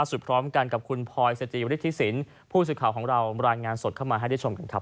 พร้อมกันกับคุณพลอยสจิวฤทธิสินผู้สื่อข่าวของเรารายงานสดเข้ามาให้ได้ชมกันครับ